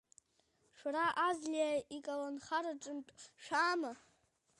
Шәара Аӡлиа иколнхараҿынтә шәаама?